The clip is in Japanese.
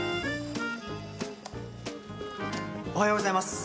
おはようございます。